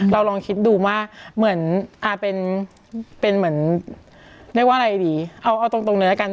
เราลองคิดดูว่าเอาตรงเลยละกัน